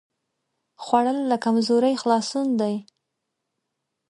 خوړل له کمزورۍ خلاصون دی